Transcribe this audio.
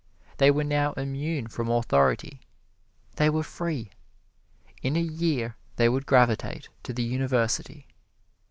They were now immune from authority they were free. In a year they would gravitate to the University.